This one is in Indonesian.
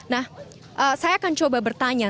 nah saya akan coba bertanya